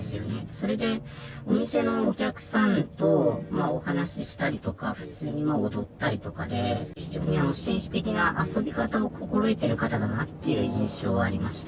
それで、お店のお客さんとお話ししたりとか、普通に踊ったりとかで、非常に紳士的な遊び方を心得てる方だなっていう印象はありました。